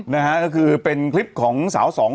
นะฮะก็คือเป็นคลิปของสาวสอง